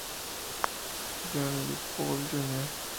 John Lee Paul Jr.